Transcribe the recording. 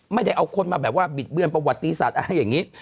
ไม่ได้เอาคนมาแบบว่าบิดเบือนประวัติศาสตร์อะไรอย่างนี้